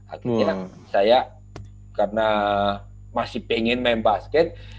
akhirnya saya karena masih pengen main basket